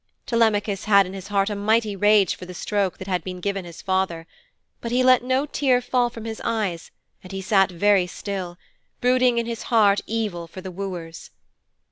Telemachus had in his heart a mighty rage for the stroke that had been given his father. But he let no tear fall from his eyes and he sat very still, brooding in his heart evil for the wooers.